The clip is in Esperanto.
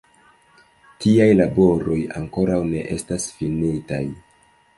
Tiaj laboroj ankoraŭ ne estas finitaj.